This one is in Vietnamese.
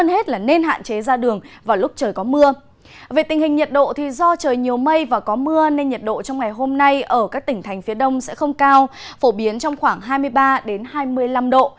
nhiệt độ thì do trời nhiều mây và có mưa nên nhiệt độ trong ngày hôm nay ở các tỉnh thành phía đông sẽ không cao phổ biến trong khoảng hai mươi ba hai mươi năm độ